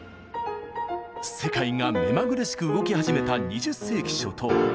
世界が目まぐるしく動き始めた２０世紀初頭。